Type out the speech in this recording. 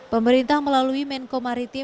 pemerintah melalui menko maritim dan informasi